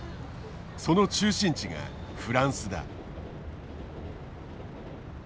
その中心地がフランスだ。